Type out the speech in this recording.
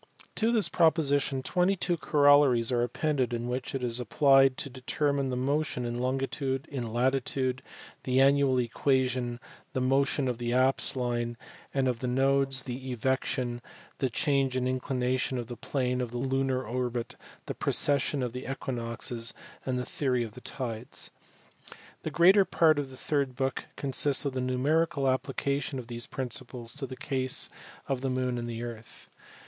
To this proposition twenty two corollaries are appended in which it is applied to determine the motion in longitude, in latitude, the annual equation, the motion of the apse line, and of the nodes, the evection, the change of inclination of the plane of the lunar orbit, the precession of the equinoxes, and the theory of the tides. The greater part of the third book consists of the numerical application of these principles to the case of the moon and the earth.